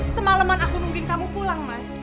semalaman aku nungguin kamu pulang mas